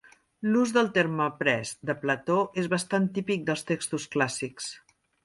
L'ús del terme "après" de Plató és bastant típic dels textos clàssics.